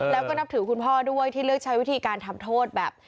แล้วก็นับถือคุณพ่อด้วยที่เลือกใช้วิธีการทำโทษแบบ